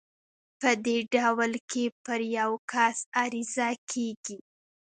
په دې ډول کې پر يو کس عريضه کېږي.